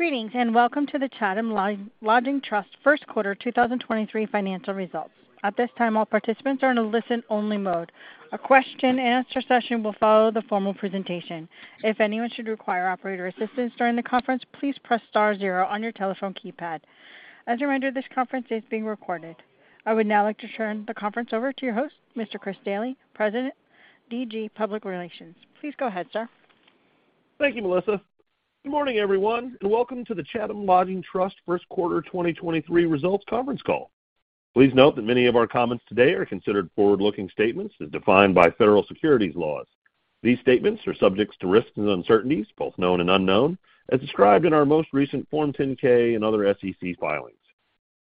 Greetings, welcome to the Chatham Lodging Trust First Quarter 2023 Financial Results. At this time, all participants are in a listen-only mode. A question answer session will follow the formal presentation. If anyone should require operator assistance during the conference, please press star zero on your telephone keypad. As a reminder, this conference is being recorded. I would now like to turn the conference over to your host, Mr. Chris Daly, President, DG Public Relations. Please go ahead, sir. Thank you, Melissa. Good morning, everyone, and welcome to the Chatham Lodging Trust first quarter 2023 results conference call. Please note that many of our comments today are considered forward-looking statements as defined by federal securities laws. These statements are subjects to risks and uncertainties, both known and unknown, as described in our most recent Form 10-K and other SEC filings.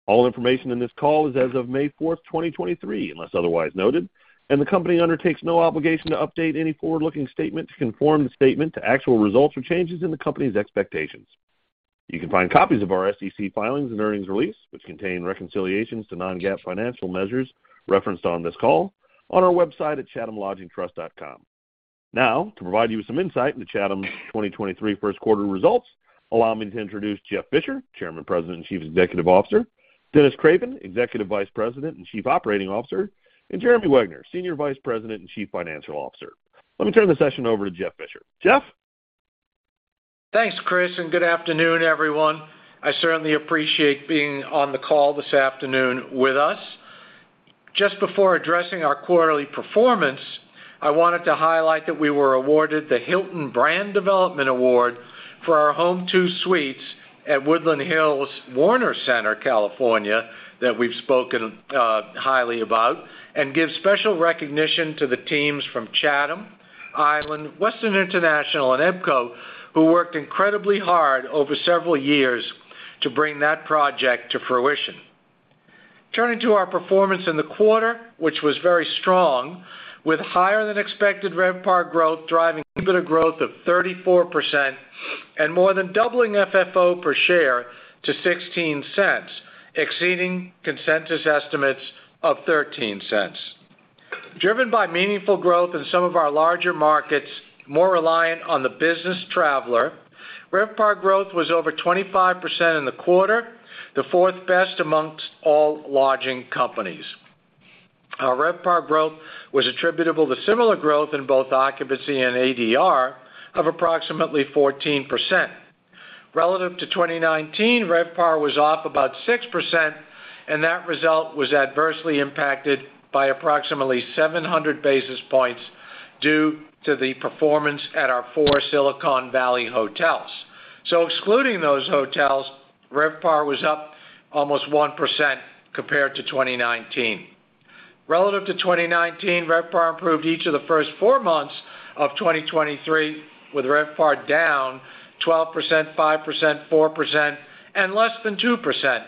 All information in this call is as of May 4, 2023, unless otherwise noted, and the company undertakes no obligation to update any forward-looking statement to conform the statement to actual results or changes in the company's expectations. You can find copies of our SEC filings and earnings release, which contain reconciliations to non-GAAP financial measures referenced on this call, on our website at chathamlodgingtrust.com. To provide you with some insight into Chatham's 2023 first quarter results, allow me to introduce Jeff Fisher, Chairman, President, and Chief Executive Officer; Dennis Craven, Executive Vice President and Chief Operating Officer; and Jeremy Wegner, Senior Vice President and Chief Financial Officer. Let me turn the session over to Jeff Fisher. Jeff? Thanks, Chris, good afternoon, everyone. I certainly appreciate being on the call this afternoon with us. Just before addressing our quarterly performance, I wanted to highlight that we were awarded the Hilton Brand Development Award for our Home2 Suites at Woodland Hills Warner Center, California, that we've spoken highly about, and give special recognition to the teams from Chatham, Island, Western International, and EPCO, who worked incredibly hard over several years to bring that project to fruition. Turning to our performance in the quarter, which was very strong, with higher than expected RevPAR growth, driving EBITDA growth of 34% and more than doubling FFO per share to $0.16, exceeding consensus estimates of $0.13. Driven by meaningful growth in some of our larger markets, more reliant on the business traveler, RevPAR growth was over 25% in the quarter, the fourth best amongst all lodging companies. Our RevPAR growth was attributable to similar growth in both occupancy and ADR of approximately 14%. Relative to 2019, RevPAR was off about 6%, that result was adversely impacted by approximately 700 basis points due to the performance at our four Silicon Valley hotels. Excluding those hotels, RevPAR was up almost 1% compared to 2019. Relative to 2019, RevPAR improved each of the first four months of 2023, with RevPAR down 12%, 5%, 4%, and less than 2%,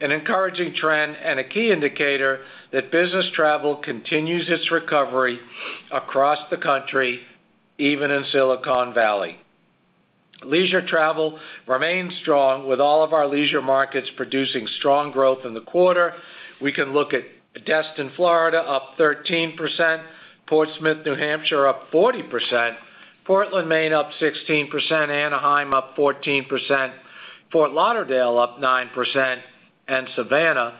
an encouraging trend and a key indicator that business travel continues its recovery across the country, even in Silicon Valley. Leisure travel remains strong with all of our leisure markets producing strong growth in the quarter. We can look at Destin, Florida, up 13%, Portsmouth, New Hampshire, up 40%, Portland, Maine, up 16%, Anaheim up 14%, Fort Lauderdale up 9%, and Savannah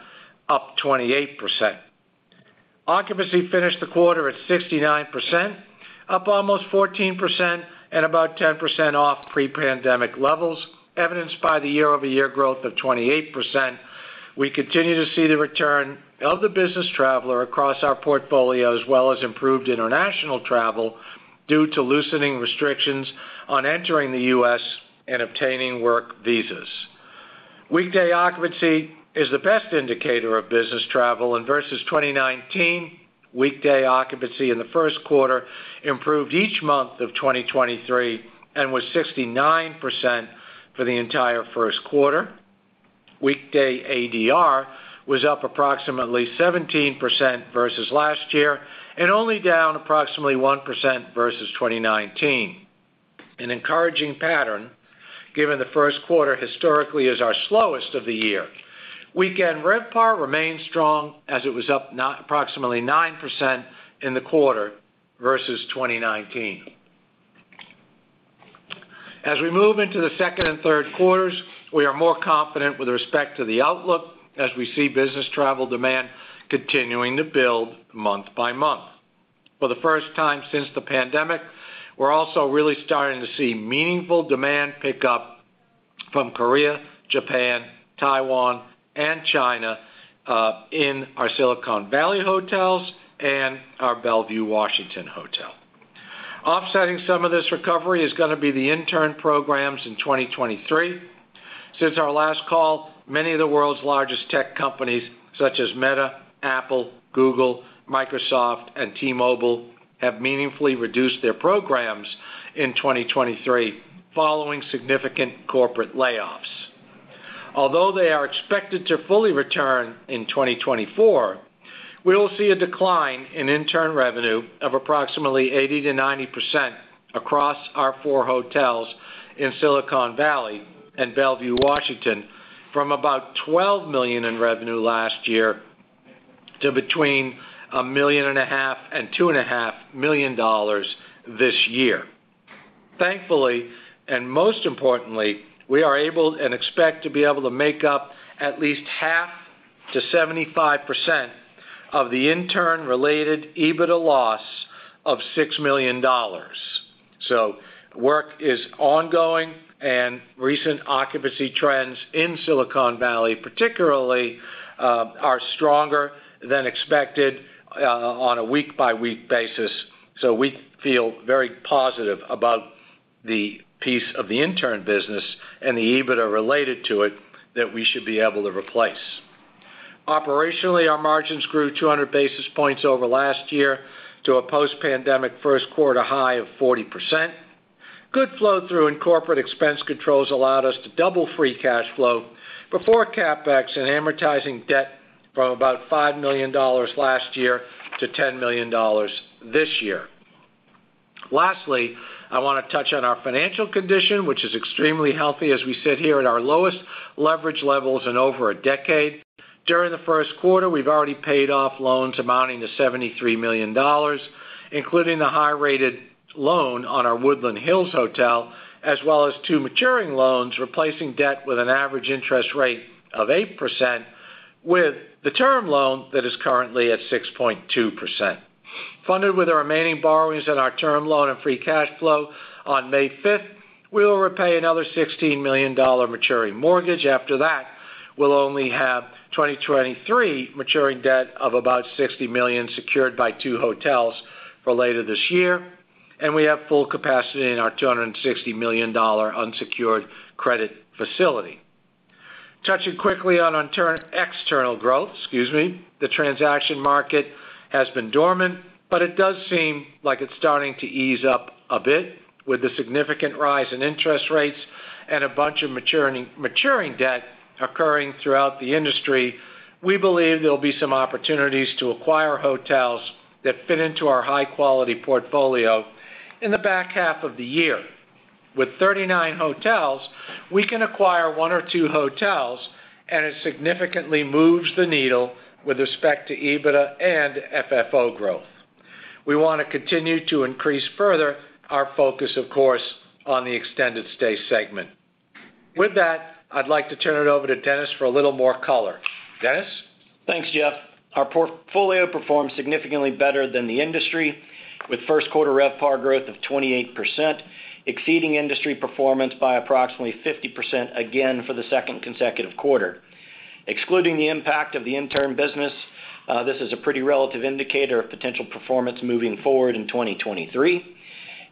up 28%. Occupancy finished the quarter at 69%, up almost 14% and about 10% off pre-pandemic levels, evidenced by the year-over-year growth of 28%. We continue to see the return of the business traveler across our portfolio, as well as improved international travel due to loosening restrictions on entering the U.S. and obtaining work visas. Weekday occupancy is the best indicator of business travel, and versus 2019, weekday occupancy in the first quarter improved each month of 2023 and was 69% for the entire first quarter. Weekday ADR was up approximately 17% versus last year and only down approximately 1% versus 2019. An encouraging pattern given the first quarter historically is our slowest of the year. Weekend RevPAR remains strong as it was up approximately 9% in the quarter versus 2019. As we move into the second and third quarters, we are more confident with respect to the outlook as we see business travel demand continuing to build month by month. For the first time since the pandemic, we're also really starting to see meaningful demand pick up from Korea, Japan, Taiwan, and China in our Silicon Valley hotels and our Bellevue, Washington hotel. Offsetting some of this recovery is gonna be the intern programs in 2023. Since our last call, many of the world's largest tech companies, such as Meta, Apple, Google, Microsoft, and T-Mobile, have meaningfully reduced their programs in 2023 following significant corporate layoffs. Although they are expected to fully return in 2024, we will see a decline in intern revenue of approximately 80% to 90% across our four hotels in Silicon Valley and Bellevue, Washington, from about $12 million in revenue last year to between a million and a half and two and a half million dollars this year. Thankfully, and most importantly, we are able and expect to be able to make up at least half to 75% of the intern related EBITDA loss of $6 million. Work is ongoing, and recent occupancy trends in Silicon Valley particularly, are stronger than expected, on a week-by-week basis. We feel very positive about the piece of the intern business and the EBITDA related to it that we should be able to replace. Operationally, our margins grew 200 basis points over last year to a post-pandemic first quarter high of 40%. Good flow through in corporate expense controls allowed us to double free cash flow before CapEx and amortizing debt from about $5 million last year to $10 million this year. I wanna touch on our financial condition, which is extremely healthy as we sit here at our lowest leverage levels in over a decade. During the first quarter, we've already paid off loans amounting to $73 million, including the high-rated loan on our Woodland Hills Hotel, as well as 2 maturing loans, replacing debt with an average interest rate of 8%, with the term loan that is currently at 6.2%. Funded with our remaining borrowings in our term loan and free cash flow, on May 5th, we will repay another $16 million maturing mortgage. After that, we'll only have 2023 maturing debt of about $60 million secured by two hotels for later this year, and we have full capacity in our $260 million unsecured credit facility. Touching quickly on external growth, excuse me. The transaction market has been dormant, but it does seem like it's starting to ease up a bit with the significant rise in interest rates and a bunch of maturing debt occurring throughout the industry. We believe there'll be some opportunities to acquire hotels that fit into our high-quality portfolio in the back half of the year. With 39 hotels, we can acquire one or two hotels, it significantly moves the needle with respect to EBITDA and FFO growth. We wanna continue to increase further our focus, of course, on the extended stay segment. With that, I'd like to turn it over to Dennis for a little more color. Dennis? Thanks, Jeff. Our portfolio performed significantly better than the industry, with first quarter RevPAR growth of 28%, exceeding industry performance by approximately 50% again for the second consecutive quarter. Excluding the impact of the intern business, this is a pretty relative indicator of potential performance moving forward in 2023.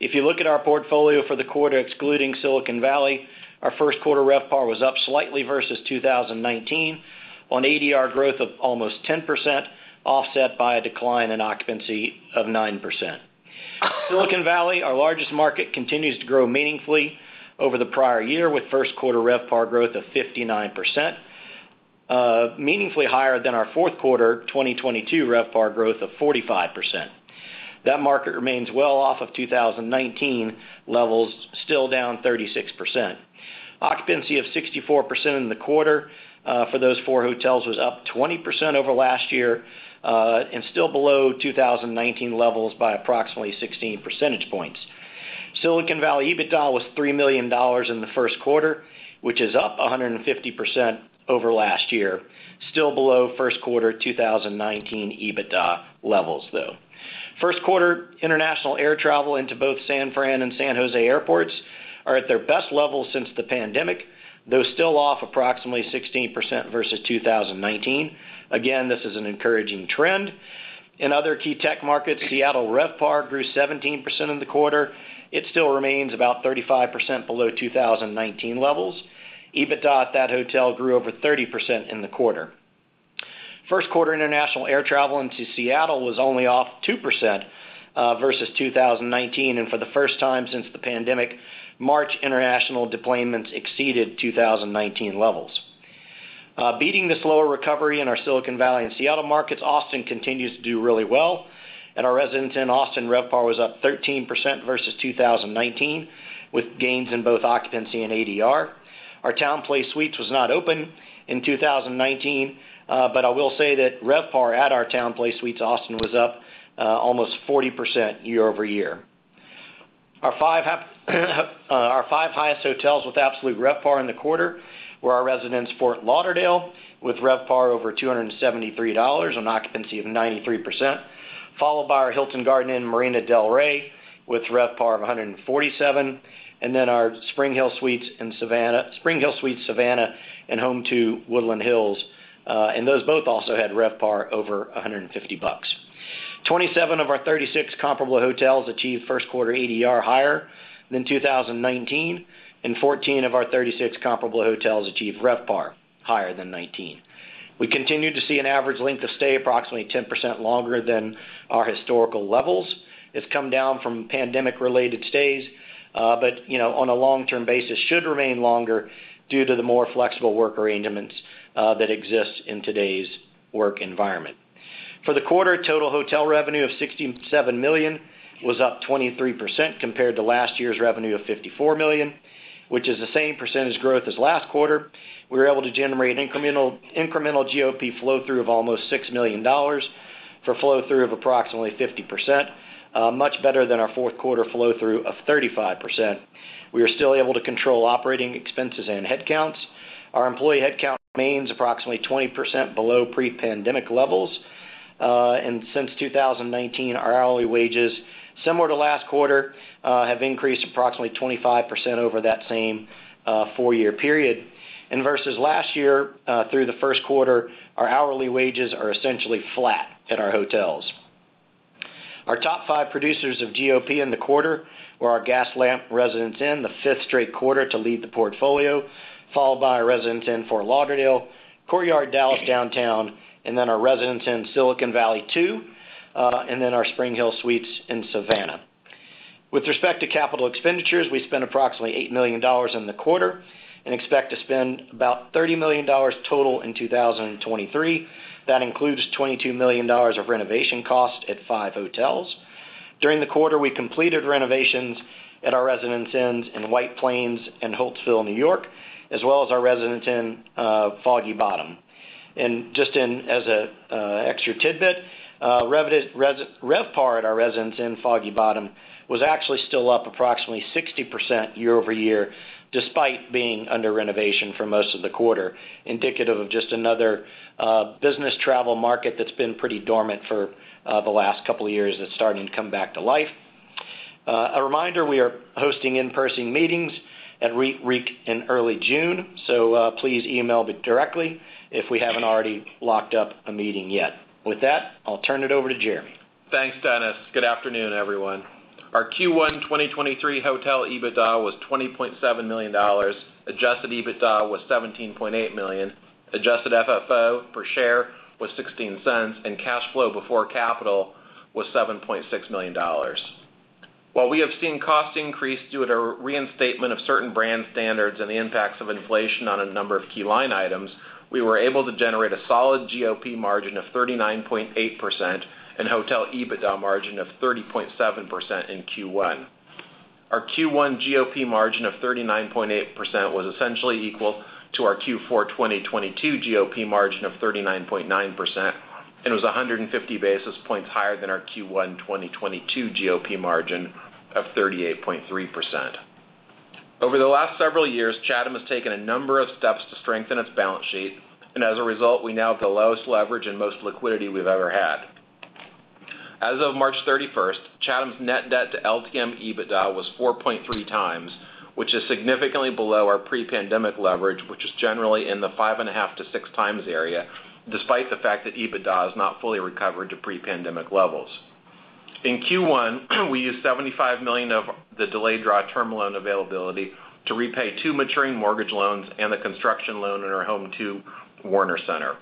If you look at our portfolio for the quarter excluding Silicon Valley, our first quarter RevPAR was up slightly versus 2019, on ADR growth of almost 10%, offset by a decline in occupancy of 9%. Silicon Valley, our largest market, continues to grow meaningfully over the prior year with first quarter RevPAR growth of 59%, meaningfully higher than our fourth quarter 2022 RevPAR growth of 45%. That market remains well off of 2019 levels, still down 36%. Occupancy of 64% in the quarter, for those four hotels was up 20% over last year, and still below 2019 levels by approximately 16 percentage points. Silicon Valley EBITDA was $3 million in the first quarter, which is up 150% over last year. Still below first quarter 2019 EBITDA levels, though. First quarter international air travel into both San Fran and San Jose airports are at their best levels since the pandemic, though still off approximately 16% versus 2019. Again, this is an encouraging trend. In other key tech markets, Seattle RevPAR grew 17% in the quarter. It still remains about 35% below 2019 levels. EBITDA at that hotel grew over 30% in the quarter. First quarter international air travel into Seattle was only off 2% versus 2019, and for the first time since the pandemic, March international deplanements exceeded 2019 levels. Beating the slower recovery in our Silicon Valley and Seattle markets, Austin continues to do really well. At our Residence Inn in Austin, RevPAR was up 13% versus 2019, with gains in both occupancy and ADR. Our TownePlace Suites was not open in 2019. I will say that RevPAR at our TownePlace Suites Austin was up almost 40% year-over-year. Our five highest hotels with absolute RevPAR in the quarter were our Residence Inn Fort Lauderdale with RevPAR over $273 on occupancy of 93%, followed by our Hilton Garden Inn Marina del Rey with RevPAR of $147, and then our SpringHill Suites in Savannah, SpringHill Suites Savannah and Home2 Woodland Hills, and those both also had RevPAR over $150 bucks. 27 of our 36 comparable hotels achieved first quarter ADR higher than 2019, and 14 of our 36 comparable hotels achieved RevPAR higher than 2019. We continue to see an average length of stay approximately 10% longer than our historical levels. It's come down from pandemic-related stays, but, you know, on a long-term basis, should remain longer due to the more flexible work arrangements that exist in today's work environment. For the quarter, total hotel revenue of $67 million was up 23% compared to last year's revenue of $54 million, which is the same percentage growth as last quarter. We were able to generate an incremental GOP flow through of almost $6 million. For flow through of approximately 50%, much better than our fourth quarter flow through of 35%. We are still able to control operating expenses and headcounts. Our employee headcount remains approximately 20% below pre-pandemic levels. Since 2019, our hourly wages, similar to last quarter, have increased approximately 25% over that same four-year period. Versus last year, through the first quarter, our hourly wages are essentially flat at our hotels. Our top five producers of GOP in the quarter were our Gaslamp Residence Inn, the fifth straight quarter to lead the portfolio, followed by Residence Inn Fort Lauderdale, Courtyard Dallas Downtown, and then our Residence Inn Silicon Valley 2, and then our SpringHill Suites in Savannah. With respect to capital expenditures, we spent approximately $8 million in the quarter and expect to spend about $30 million total in 2023. That includes $22 million of renovation costs at five hotels. During the quarter, we completed renovations at our Residence Inns in White Plains and Holtsville, New York, as well as our Residence Inn Foggy Bottom. Just in as extra tidbit, RevPAR at our Residence Inn, Foggy Bottom, was actually still up approximately 60% year-over-year, despite being under renovation for most of the quarter, indicative of just another business travel market that's been pretty dormant for the last couple of years that's starting to come back to life. A reminder, we are hosting in-person meetings at REITweek in early June. Please email me directly if we haven't already locked up a meeting yet. With that, I'll turn it over to Jeremy. Thanks, Dennis. Good afternoon, everyone. Our Q1 2023 hotel EBITDA was $20.7 million. Adjusted EBITDA was $17.8 million. Adjusted FFO per share was $0.16. Cash flow before capital was $7.6 million. While we have seen costs increase due to reinstatement of certain brand standards and the impacts of inflation on a number of key line items, we were able to generate a solid GOP margin of 39.8% and hotel EBITDA margin of 30.7% in Q1. Our Q1 GOP margin of 39.8% was essentially equal to our Q4 2022 GOP margin of 39.9%. It was 150 basis points higher than our Q1 2022 GOP margin of 38.3%. Over the last several years, Chatham has taken a number of steps to strengthen its balance sheet, and as a result, we now have the lowest leverage and most liquidity we've ever had. As of March 31st, Chatham's net debt to LTM EBITDA was 4.3 times, which is significantly below our pre-pandemic leverage, which is generally in the 5.5 to 6 times area, despite the fact that EBITDA has not fully recovered to pre-pandemic levels. In Q1, we used $75 million of the delayed draw term loan availability to repay two maturing mortgage loans and the construction loan in our Home2 Warner Center.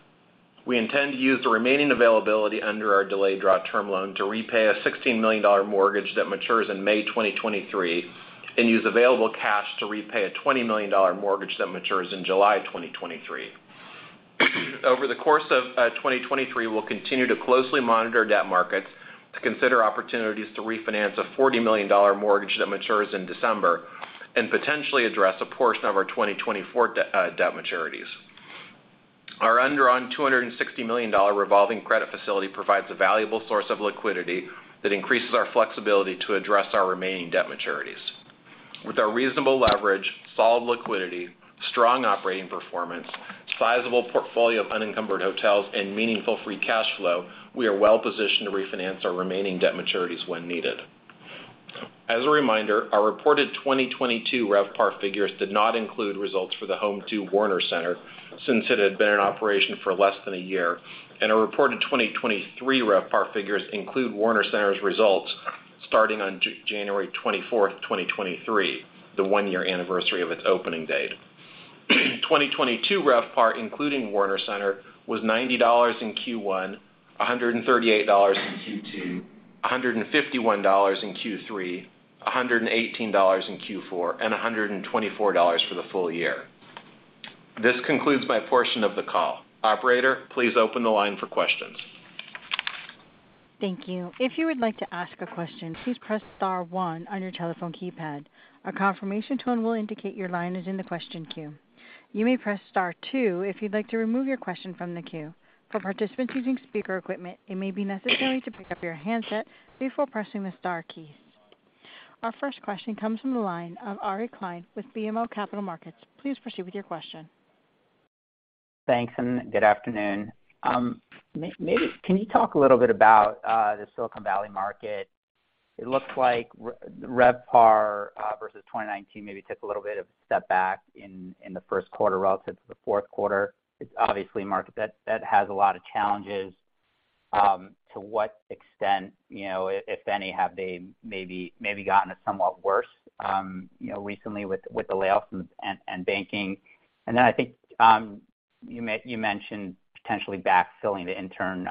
We intend to use the remaining availability under our delayed draw term loan to repay a $16 million mortgage that matures in May 2023, and use available cash to repay a $20 million mortgage that matures in July 2023. Over the course of 2023, we'll continue to closely monitor debt markets to consider opportunities to refinance a $40 million mortgage that matures in December and potentially address a portion of our 2024 debt maturities. Our undrawn $260 million revolving credit facility provides a valuable source of liquidity that increases our flexibility to address our remaining debt maturities. With our reasonable leverage, solid liquidity, strong operating performance, sizable portfolio of unencumbered hotels, and meaningful free cash flow, we are well positioned to refinance our remaining debt maturities when needed. As a reminder, our reported 2022 RevPAR figures did not include results for the Home2 Warner Center, since it had been in operation for less than a year. Our reported 2023 RevPAR figures include Warner Center's results starting on January 24th, 2023, the one-year anniversary of its opening date. 2022 RevPAR, including Warner Center, was $90 in Q1, $138 in Q2, $151 in Q3, $118 in Q4, and $124 for the full year. This concludes my portion of the call. Operator, please open the line for questions. Thank you. If you would like to ask a question, please press star one on your telephone keypad. A confirmation tone will indicate your line is in the question queue. You may press star two if you'd like to remove your question from the queue. For participants using speaker equipment, it may be necessary to pick up your handset before pressing the star keys. Our first question comes from the line of Ari Klein with BMO Capital Markets. Please proceed with your question. Thanks, good afternoon. Can you talk a little bit about the Silicon Valley market? It looks like RevPAR versus 2019 maybe took a little bit of a step back in the first quarter relative to the fourth quarter. It's obviously a market that has a lot of challenges. To what extent, you know, if any, have they maybe gotten somewhat worse, you know, recently with the layoffs and banking? I think, you mentioned potentially backfilling the intern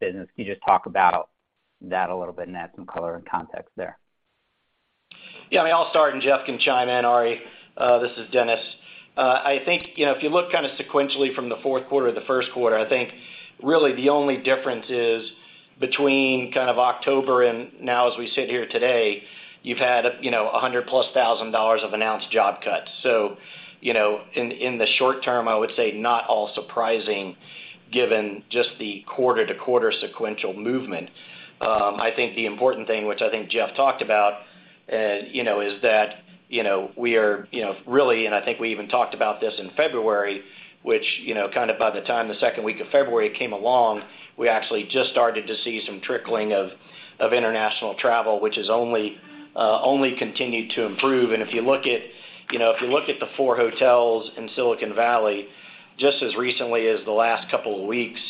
business. Can you just talk about that a little bit and add some color and context there? Yeah, I mean, I'll start, and Jeff can chime in, Ari. This is Dennis. I think, you know, if you look kind of sequentially from the fourth quarter to the first quarter, I think really the only difference is between kind of October and now as we sit here today, you've had, you know, $100 plus thousand of announced job cuts. You know, in the short term, I would say not all surprising given just the quarter-to-quarter sequential movement. I think the important thing, which I think Jeff talked about, you know, is that, you know, we are, you know, really, and I think we even talked about this in February, which, you know, kind of by the time the second week of February came along, we actually just started to see some trickling of international travel, which has only continued to improve. If you look at, you know, if you look at the four hotels in Silicon Valley, just as recently as the last couple of weeks,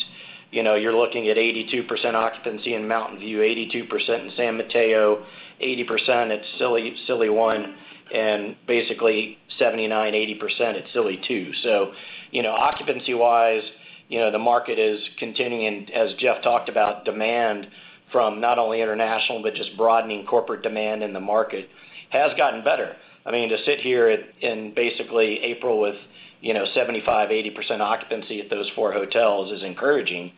you know, you're looking at 82% occupancy in Mountain View, 82% in San Mateo, 80% at Silicon Valley 1, and basically 79% to 80% at Silicon Valley 2. You know, occupancy-wise, you know, the market is continuing, as Jeff talked about, demand from not only international, but just broadening corporate demand in the market has gotten better. I mean, to sit here at, in basically April with, you know, 75% to 80% occupancy at those four hotels is encouraging.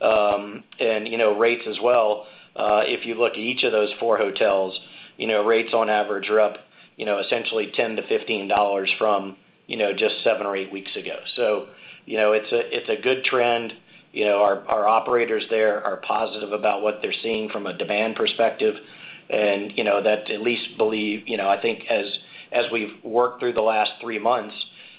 you know, rates as well, if you look at each of those four hotels, you know, rates on average are up, you know, essentially $10 to $15 from, you know, just seven or eight weeks ago. you know, it's a, it's a good trend. You know, our operators there are positive about what they're seeing from a demand perspective. You know, that at least believe, you know, I think as we've worked through the last three months,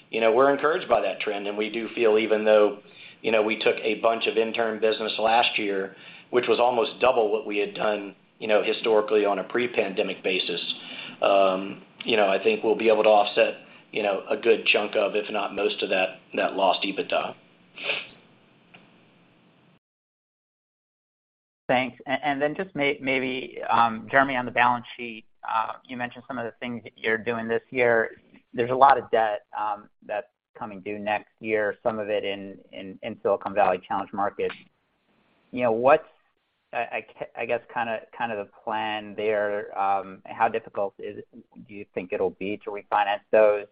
you know, we're encouraged by that trend, and we do feel even though, you know, we took a bunch of intern business last year, which was almost double what we had done, you know, historically on a pre-pandemic basis, you know, I think we'll be able to offset, you know, a good chunk of it, if not most of that lost EBITDA. Thanks. Then just maybe, Jeremy, on the balance sheet, you mentioned some of the things that you're doing this year. There's a lot of debt that's coming due next year, some of it in Silicon Valley challenged markets. You know, what's I guess, kind of the plan there? How difficult is it do you think it'll be to refinance those?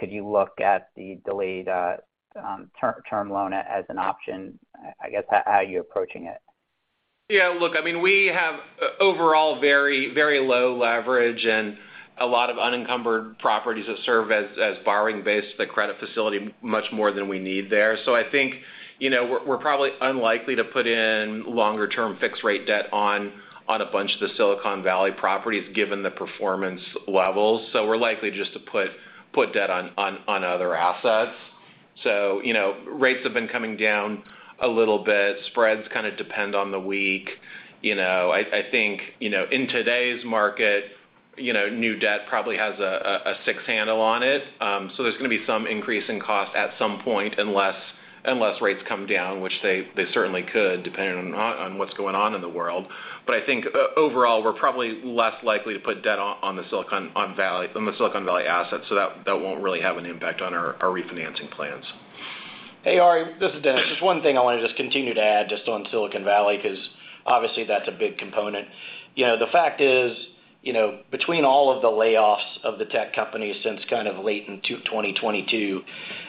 Could you look at the delayed term loan as an option? I guess, how are you approaching it? Yeah, look, I mean, we have overall very, very low leverage and a lot of unencumbered properties that serve as borrowing base, the credit facility much more than we need there. I think, you know, we're probably unlikely to put in longer term fixed rate debt on a bunch of the Silicon Valley properties given the performance levels. We're likely just to put debt on other assets. You know, rates have been coming down a little bit. Spreads kind of depend on the week. You know, I think, you know, in today's market, you know, new debt probably has a six handle on it. There's gonna be some increase in cost at some point unless rates come down, which they certainly could, depending on what's going on in the world. I think overall, we're probably less likely to put debt on the Silicon Valley assets, so that won't really have an impact on our refinancing plans. Hey, Ari, this is Dennis. Just one thing I wanna just continue to add just on Silicon Valley, 'cause obviously that's a big component. You know, the fact is, you know, between all of the layoffs of the tech companies since kind of late in 2022,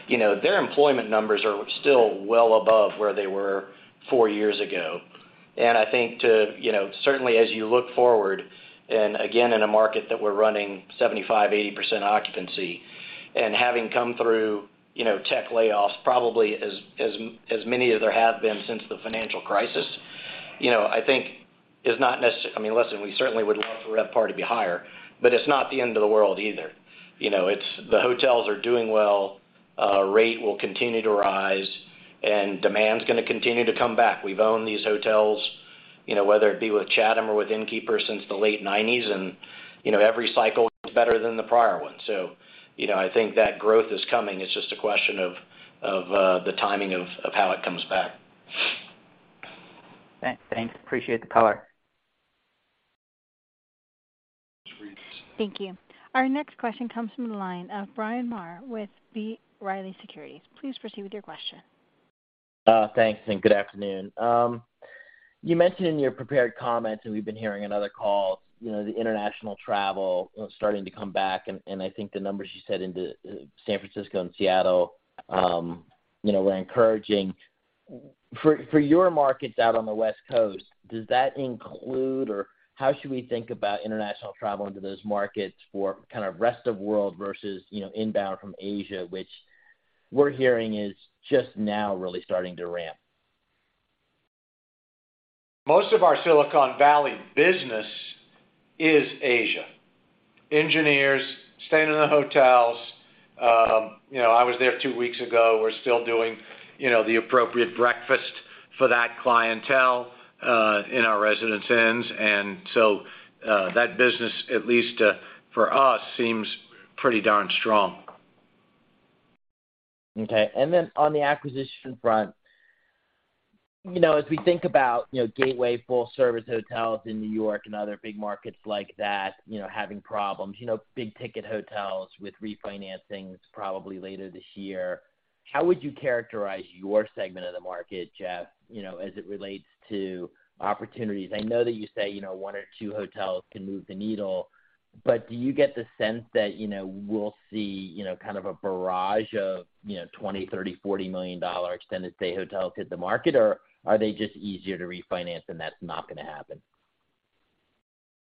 you know, their employment numbers are still well above where they were four years ago. I think to, you know, certainly as you look forward, and again, in a market that we're running 75%, 80% occupancy, and having come through, you know, tech layoffs probably as many as there have been since the financial crisis, you know, I mean, listen, we certainly would love for RevPAR to be higher, but it's not the end of the world either. You know, the hotels are doing well, rate will continue to rise, and demand's gonna continue to come back. We've owned these hotels, you know, whether it be with Chatham or with Innkeeper since the late nineties, and, you know, every cycle is better than the prior one. You know, I think that growth is coming. It's just a question of the timing of how it comes back. Thanks. Appreciate the color. Thank you. Our next question comes from the line of Bryan Maher with B. Riley Securities. Please proceed with your question. Thanks, and good afternoon. You mentioned in your prepared comments, and we've been hearing in other calls, you know, the international travel, you know, starting to come back, and I think the numbers you said into San Francisco and Seattle, you know, were encouraging. For your markets out on the West Coast, does that include or how should we think about international travel into those markets for kind of rest of world versus, you know, inbound from Asia, which we're hearing is just now really starting to ramp? Most of our Silicon Valley business is Asia. Engineers staying in the hotels. You know, I was there two weeks ago. We're still doing, you know, the appropriate breakfast for that clientele in our Residence Inns. That business, at least, for us, seems pretty darn strong. Okay. On the acquisition front, you know, as we think about, you know, gateway full service hotels in New York and other big markets like that, you know, having problems, you know, big ticket hotels with refinancings probably later this year, how would you characterize your segment of the market, Jeff, you know, as it relates to opportunities? I know that you say, you know, one or two hotels can move the needle, but do you get the sense that, you know, we'll see, you know, kind of a barrage of, you know, $20 million, $30 million, $40 million extended stay hotels hit the market, or are they just easier to refinance and that's not gonna happen?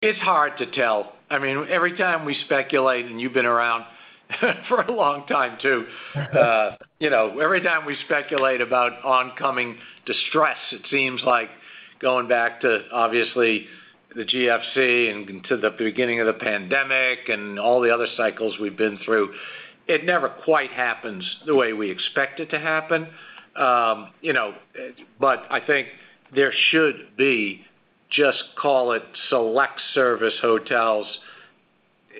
It's hard to tell. I mean, every time we speculate, and you've been around for a long time too, you know, every time we speculate about oncoming distress, it seems like going back to obviously the GFC and to the beginning of the pandemic and all the other cycles we've been through, it never quite happens the way we expect it to happen. You know, but I think there should be, just call it select service hotels,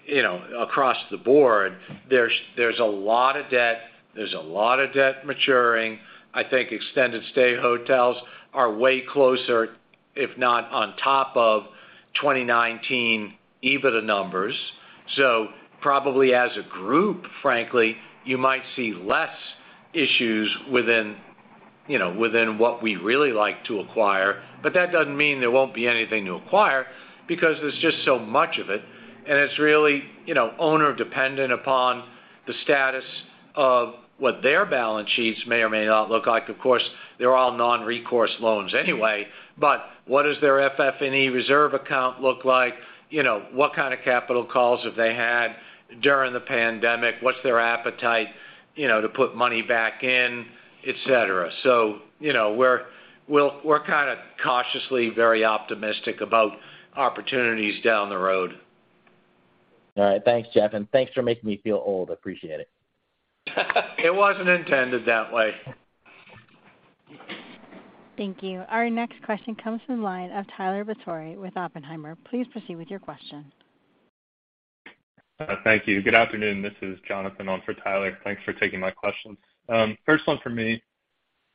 you know, across the board. There's a lot of debt, there's a lot of debt maturing. I think extended stay hotels are way closer, if not on top of 2019 EBITDA numbers. Probably as a group, frankly, you might see less issues within, you know, within what we really like to acquire. That doesn't mean there won't be anything to acquire because there's just so much of it, and it's really, you know, owner dependent upon the status of what their balance sheets may or may not look like. Of course, they're all non-recourse loans anyway. What does their FF&E reserve account look like? You know, what kind of capital calls have they had during the pandemic? What's their appetite, you know, to put money back in, et cetera. You know, we're kind of cautiously very optimistic about opportunities down the road. All right. Thanks, Jeff, and thanks for making me feel old. Appreciate it. It wasn't intended that way. Thank you. Our next question comes from the line of Tyler Batory with Oppenheimer. Please proceed with your question. Thank you. Good afternoon. This is Jonathan on for Tyler. Thanks for taking my questions. First one for me.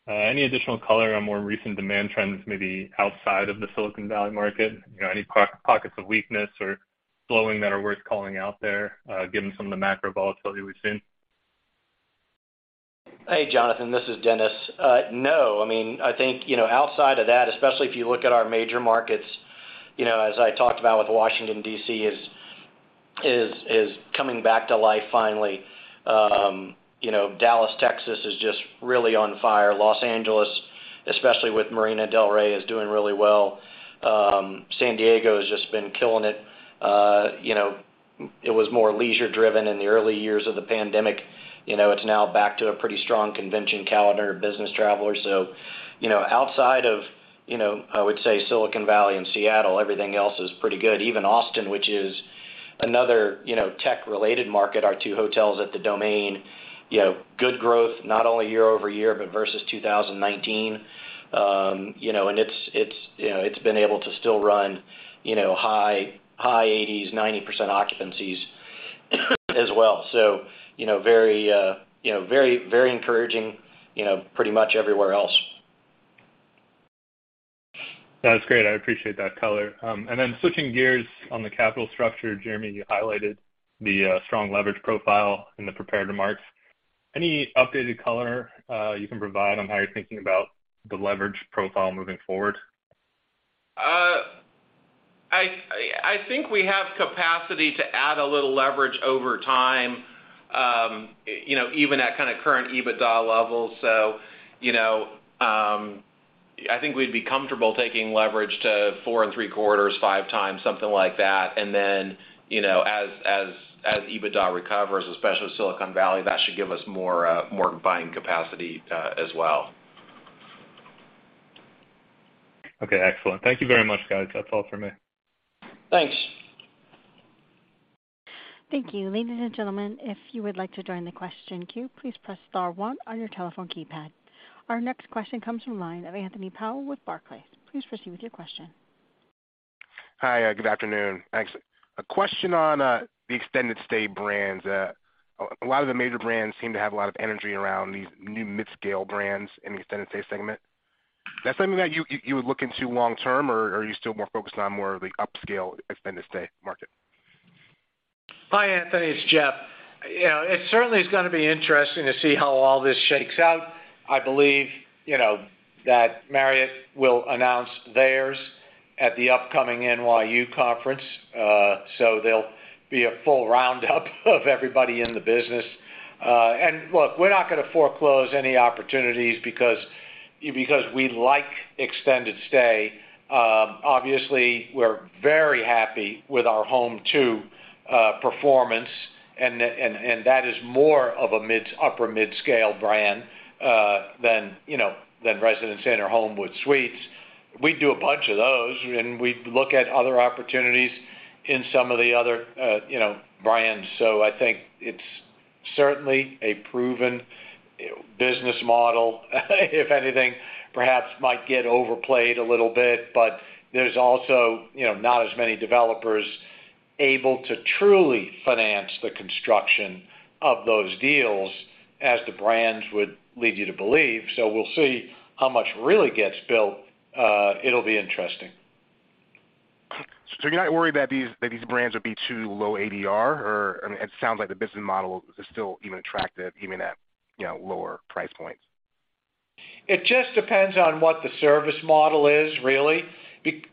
Any additional color on more recent demand trends, maybe outside of the Silicon Valley market? You know, any pockets of weakness or slowing that are worth calling out there, given some of the macro volatility we've seen? Hey, Jonathan, this is Dennis. No, I mean, I think, you know, outside of that, especially if you look at our major markets, you know, as I talked about with Washington D.C. is coming back to life finally. You know, Dallas, Texas, is just really on fire. Los Angeles, especially with Marina del Rey, is doing really well. San Diego has just been killing it. You know, it was more leisure driven in the early years of the pandemic. You know, it's now back to a pretty strong convention calendar business traveler. You know, outside of, you know, I would say Silicon Valley and Seattle, everything else is pretty good. Even Austin, which is another, you know, tech related market, our two hotels at The Domain, you know, good growth, not only year-over-year, but versus 2019. You know, it's, you know, it's been able to still run, you know, high 80s, 90% occupancies, as well. You know, very, you know, very, very encouraging, you know, pretty much everywhere else. That's great. I appreciate that color. Switching gears on the capital structure, Jeremy, you highlighted the strong leverage profile in the prepared remarks. Any updated color you can provide on how you're thinking about the leverage profile moving forward? I think we have capacity to add a little leverage over time, you know, even at kind of current EBITDA levels. You know, I think we'd be comfortable taking leverage to four and three quarters times-five times, something like that. Then, you know, as EBITDA recovers, especially Silicon Valley, that should give us more buying capacity as well. Okay, excellent. Thank you very much, guys. That's all for me. Thanks. Thank you. Ladies and gentlemen, if you would like to join the question queue, please press star 1 on your telephone keypad. Our next question comes from line of Anthony Powell with Barclays. Please proceed with your question. Hi. Good afternoon. Thanks. A question on the extended stay brands. A lot of the major brands seem to have a lot of energy around these new mid-scale brands in the extended stay segment. Is that something that you would look into long term, or are you still more focused on more of the upscale extended stay market? Hi, Anthony. It's Jeff. You know, it certainly is gonna be interesting to see how all this shakes out. I believe, you know, that Marriott will announce theirs at the upcoming NYU conference. They'll be a full roundup of everybody in the business. Look, we're not gonna foreclose any opportunities because we like extended stay. Obviously we're very happy with our Home2 performance, and that is more of a upper mid-scale brand than, you know, than Residence Inn or Homewood Suites. We do a bunch of those, we look at other opportunities in some of the other, you know, brands. I think it's certainly a proven business model. If anything, perhaps might get overplayed a little bit. There's also, you know, not as many developers able to truly finance the construction of those deals as the brands would lead you to believe. We'll see how much really gets built. It'll be interesting. You're not worried that these brands would be too low ADR or, I mean, it sounds like the business model is still even attractive even at, you know, lower price points? It just depends on what the service model is really.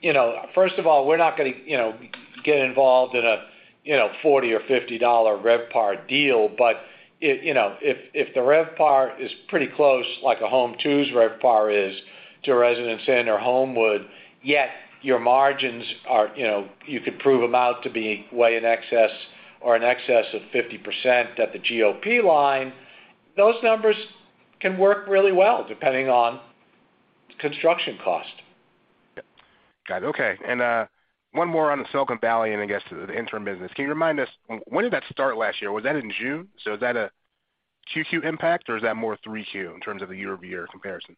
You know, first of all, we're not gonna, you know, get involved in a, you know, $40 or $50 RevPAR deal, but you know, if the RevPAR is pretty close, like a Home2's RevPAR is to a Residence Inn or Homewood, yet your margins are, you know, you could prove them out to be way in excess or in excess of 50% at the GOP line, those numbers can work really well, depending on construction cost. Yep. Got it. Okay. One more on the Silicon Valley, and I guess the interim business. Can you remind us, when did that start last year? Was that in June? Is that a Q2 impact, or is that more 3 Q in terms of the year-over-year comparison?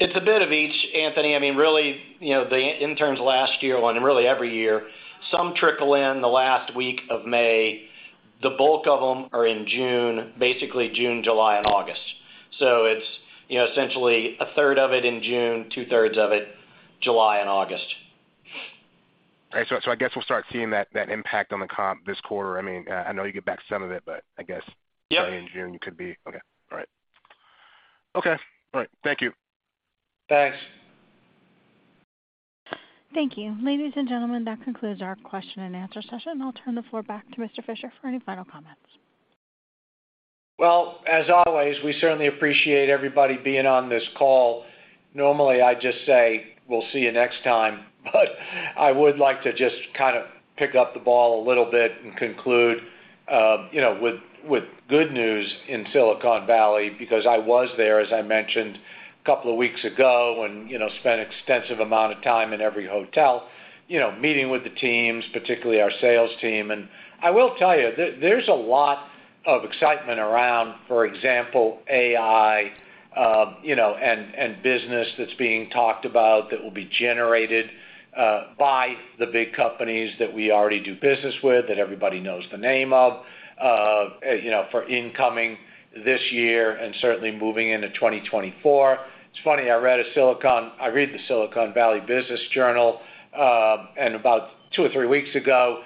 It's a bit of each, Anthony. I mean, really, you know, the interns last year, well, and really every year, some trickle in the last week of May. The bulk of them are in June, basically June, July, and August. It's, you know, essentially a third of it in June, two-thirds of it July and August. All right. I guess we'll start seeing that impact on the comp this quarter. I mean, I know you get back some of it, but I guess. Yep. Starting in June. Okay. All right. Okay. All right. Thank you. Thanks. Thank you. Ladies and gentlemen, that concludes our question and answer session. I'll turn the floor back to Mr. Fisher for any final comments. Well, as always, we certainly appreciate everybody being on this call. Normally, I just say, "We'll see you next time," but I would like to just kind of pick up the ball a little bit and conclude, you know, with good news in Silicon Valley, because I was there, as I mentioned two weeks ago, and, you know, spent extensive amount of time in every hotel, you know, meeting with the teams, particularly our sales team. I will tell you, there's a lot of excitement around, for example, AI, you know, and business that's being talked about that will be generated by the big companies that we already do business with, that everybody knows the name of, you know, for incoming this year and certainly moving into 2024. It's funny, I read the Silicon Valley Business Journal. About two or three weeks ago,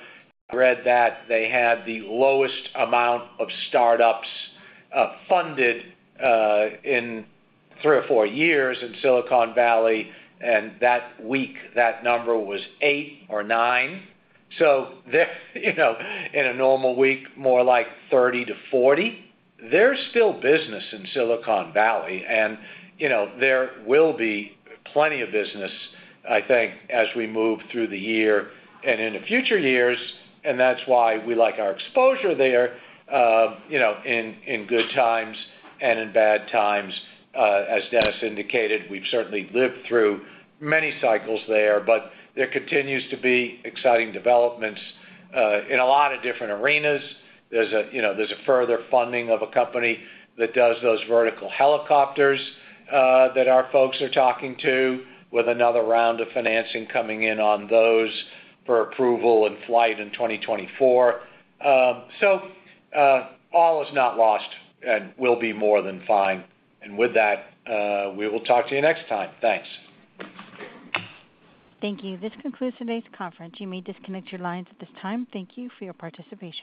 read that they had the lowest amount of startups, funded, in three or four years in Silicon Valley, and that week, that number was eight or nine. There, you know, in a normal week, more like 30 to 40. There's still business in Silicon Valley. You know, there will be plenty of business, I think, as we move through the year and into future years. That's why we like our exposure there, you know, in good times and in bad times. As Dennis indicated, we've certainly lived through many cycles there, but there continues to be exciting developments, in a lot of different arenas. There's a, you know, there's a further funding of a company that does those vertical helicopters, that our folks are talking to with another round of financing coming in on those for approval and flight in 2024. All is not lost and we'll be more than fine. With that, we will talk to you next time. Thanks. Thank you. This concludes today's conference. You may disconnect your lines at this time. Thank you for your participation.